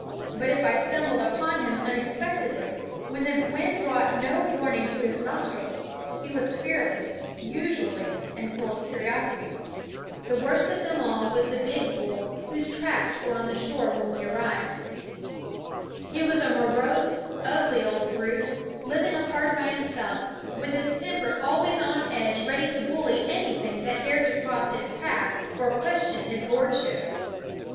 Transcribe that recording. But if I stumbled upon him SCHOOL Of unexpectedly, when the wind brought no 1/fiJQiiensw/s warnm * n ^ s nos trils, he was fearless, usually, and full of curiosity. The worst of them all was the big bull whose tracks were on the shore when we arrived. He was a morose, ugly old brute, living apart by himself, with his temper always on edge ready to bully anything that dared to cross his path or question his lord ship.